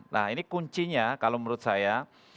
nah ini kuncinya kalau menurut saya